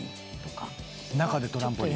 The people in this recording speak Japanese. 中でトランポリン。